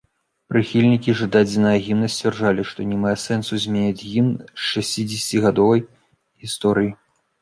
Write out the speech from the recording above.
Прыхільнікі жа дадзенага гімна сцвярджалі, што не мае сэнсу змяняць гімн з шасцідзесяцігадовай гісторыяй.